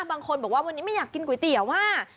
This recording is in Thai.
บางคนบอกว่าวันนี้ไม่อยากกินก๋วยเตี๋ยวว่า